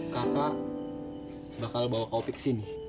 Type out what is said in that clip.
kakak bakal bawa kak opi ke sini